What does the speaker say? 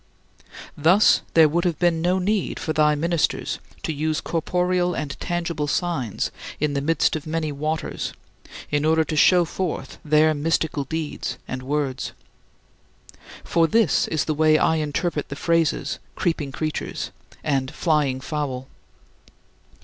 Thus, there would have been no need for thy ministers to use corporeal and tangible signs in the midst of many "waters" in order to show forth their mystical deeds and words. For this is the way I interpret the phrases "creeping creatures" and "flying fowl."